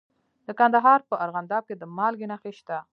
د کندهار په ارغنداب کې د مالګې نښې شته.